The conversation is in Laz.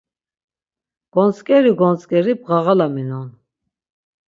Gontzǩeri gontzǩeri bğarğalaminon.